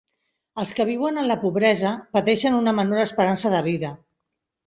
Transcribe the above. Els que viuen en la pobresa pateixen una menor esperança de vida.